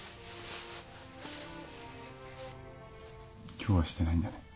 今日はしてないんだね？